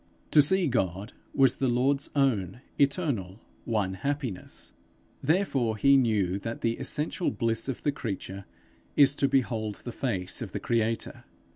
To see God was the Lord's own, eternal, one happiness; therefore he knew that the essential bliss of the creature is to behold the face of the creator.